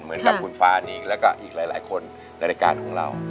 เหมือนกับคุณฟ้านี่แล้วก็อีกหลายคนในรายการของเรา